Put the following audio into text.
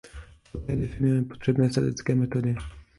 Poté definujeme potřebné statické metody.